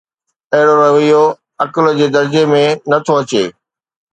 اهڙو رويو عقل جي درجي ۾ نه ٿو اچي.